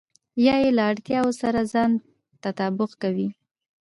يا يې له اړتياوو سره ځان تطابق کوئ.